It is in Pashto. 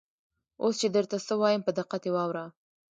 اوس چې درته څه وایم په دقت یې واوره.